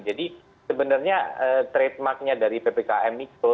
jadi sebenarnya trademarknya dari ppkm mikro